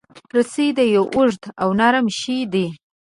رسۍ یو اوږد او نرم شی دی.